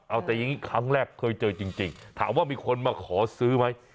เอาแต่อย่างนี้ครั้งแรกเคยเจอจริงถามว่ามีคนมาขอซื้อไหม